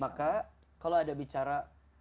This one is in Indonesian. maka kalau ada bicara